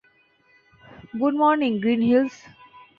Good morning, Green hills!